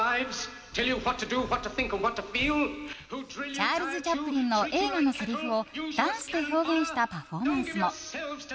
チャールズ・チャップリンの映画のせりふをダンスで表現したパフォーマンスも。